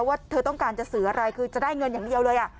ว่าเธอต้องการจะสื่ออะไรคือจะได้เงินอย่างเดียวเลย